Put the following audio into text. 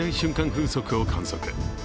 風速を観測。